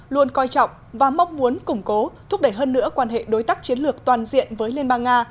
luôn coi trọng và mong muốn củng cố thúc đẩy hơn nữa quan hệ đối tác chiến lược toàn diện với liên bang nga